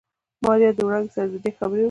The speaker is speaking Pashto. ماريا د وړانګې سره د ديګ خبرې وکړې.